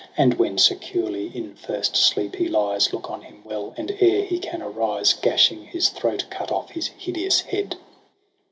And when securely in first sleep he lies. Look on him well, and ere he can arise. Gashing his throat, cut off his hideous head.'